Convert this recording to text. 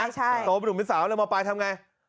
ใช่ใช่โตเป็นหนุ่มเป็นสาวแล้วมอปลายทำไง